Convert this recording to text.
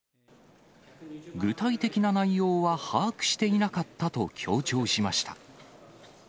具体的な内容は把握していなかったと強調しました。